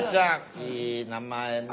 いい名前ね。